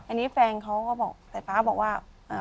อันนี้แฟนเขาบอกศรัทธิ์ป้าบอกว่า